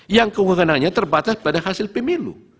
yang kewenangannya terbatas pada hasil pemilu